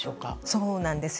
そうなんです。